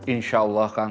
insya allah kang